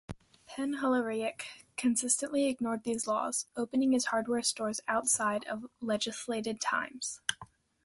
Penhalluriack consistently ignored these laws, opening his hardware store outside of the legislated times.